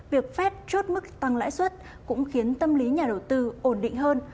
việc phép chốt mức tăng lãi suất cũng khiến tâm lý nhà đầu tư ổn định hơn